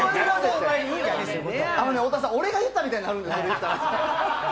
太田さん、俺が言ったみたいになるんですよ、それ言ったら。